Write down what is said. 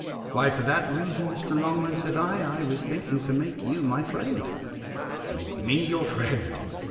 "Why, for that reason, Mr. Longman," said I, "I was thinking to make you my friend!" "Make me your friend!